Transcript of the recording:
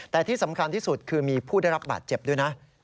แต่ที่สำคัญที่สุดคือมีผู้ได้รับบาดเจ็บด้วยนะ